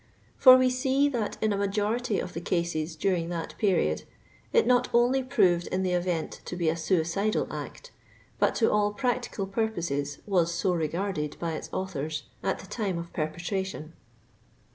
For we see that in a majority of the*cases during that period, it not only proved in the event to be a suicidal act, but to all practical purposes was so regarded by its authors, at the time of perpetration.